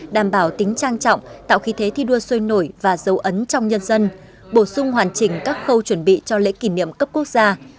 đảm bảo tính trang trọng tạo khí thế thi đua sôi nổi và dấu ấn trong nhân dân bổ sung hoàn chỉnh các khâu chuẩn bị cho lễ kỷ niệm cấp quốc gia